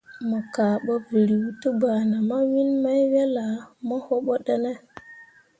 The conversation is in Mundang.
Mo kah bo vǝrǝǝ te gbana mawiin mai wel ah mo wobo ɗǝne ?